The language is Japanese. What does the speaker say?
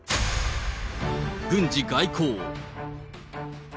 軍事・外交。